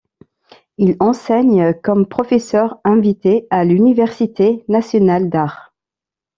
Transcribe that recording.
Il enseigne comme professeur invité à l’université nationale d’art.